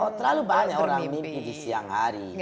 oh terlalu banyak orang mimpi di siang hari